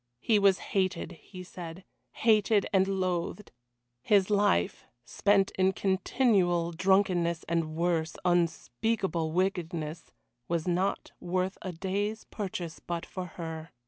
He was hated, he said, hated and loathed; his life spent in continual drunkenness, and worse, unspeakable wickedness was not worth a day's purchase, but for her.